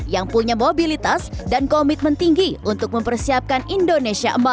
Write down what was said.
yang punya mobilitas dan komitmen tinggi untuk mempersiapkan indonesia emas